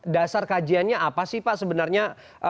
dasar kajiannya apa sih pak sebenarnya